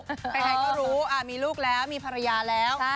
ใครก็รู้มีลูกแล้วมีภรรยาแล้ว